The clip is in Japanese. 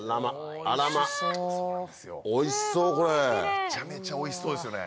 めちゃめちゃおいしそうですよね。